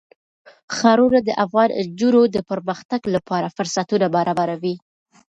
ښارونه د افغان نجونو د پرمختګ لپاره فرصتونه برابروي.